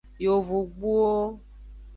Yovogbuwo.